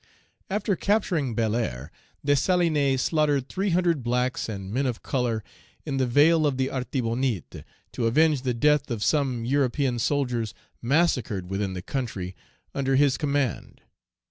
After capturing Belair, Dessalines slaughtered three hundred blacks and men of color in the vale of the Artibonite, to avenge the death of some European soldiers massacred within the country under his command.